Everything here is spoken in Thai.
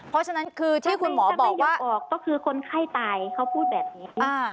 เพราะฉะนั้นคือที่คุณหมอจะบอกว่าออกก็คือคนไข้ตายเขาพูดแบบนี้ค่ะ